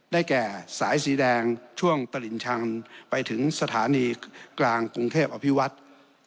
แก่สายสีแดงช่วงตลิ่งชันไปถึงสถานีกลางกรุงเทพอภิวัฒน์